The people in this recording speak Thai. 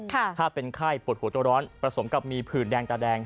ถ้าเป็นไข้ปวดหัวตัวร้อนผสมกับมีผื่นแดงตาแดง